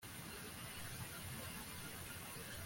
ikiyaga cya naseri gifite uburebure bwa kilometero igihumbi